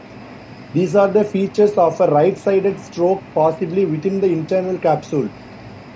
These are the features of a right sided stroke possibly within the internal capsule.